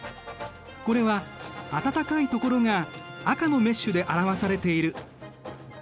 これは暖かいところが赤のメッシュで表されている。